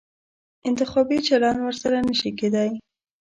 انتخابي چلند ورسره نه شي کېدای.